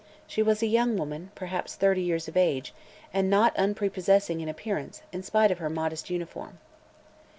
She was a young woman, perhaps thirty years of age, and not unprepossessing in appearance, in spite of her modest uniform.